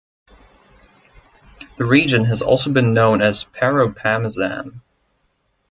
The region has also been known as "Paropamizan".